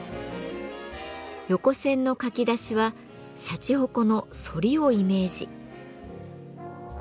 横線の書き出しはシャチホコの「反り」をイメージ。